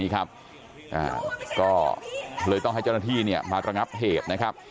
ก็เลยต้องให้เจ้าหน้าที่มาระงับเหตุนะครับ